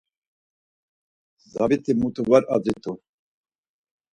Zabit̆i muti var azit̆u.